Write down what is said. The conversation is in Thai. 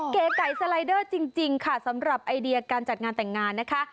เก๋ไก่สไลเดอร์จริงค่ะสำหรับไอเดียการจัดงานแต่งงานนะคะ